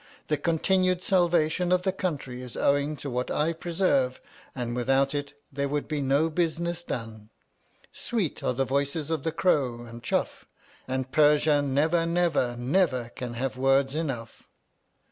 The continued salvation of the country is owing to what I preserve, and without it there would be no business done. Sweet are the voices of the crow and chough, and Persia never never never can have words enough.